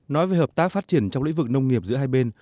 nói về hợp tác phát triển trong lĩnh vực nông nghiệp giữa hai bên